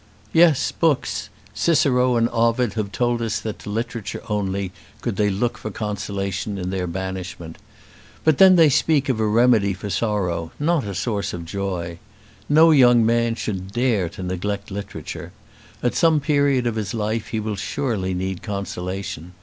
"Yes, books! Cicero and Ovid have told us that to literature only could they look for consolation in their banishment. But then they speak of a remedy for sorrow, not of a source of joy. No young man should dare to neglect literature. At some period of his life he will surely need consolation.